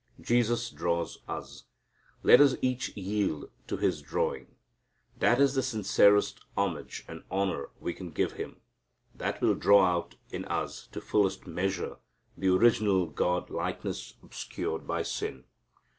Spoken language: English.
Jesus draws us. Let us each yield to His drawing. That is the sincerest homage and honor we can give Him. That will draw out in us to fullest measure the original God likeness obscured by sin.